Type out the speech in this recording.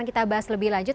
kita bahas lebih lanjut